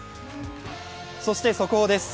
そして速報です。